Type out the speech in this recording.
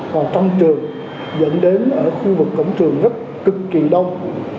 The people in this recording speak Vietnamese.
còn trong trường dẫn đến ở khu vực cổng trường rất cực kỳ đông